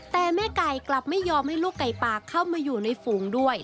แต่แม่ไก่กลับไม่ยอมให้ลูกไก่ป่าเข้ามาอยู่ในฝูงด้วย